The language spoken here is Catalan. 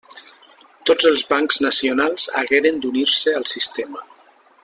Tots els bancs nacionals hagueren d'unir-se al sistema.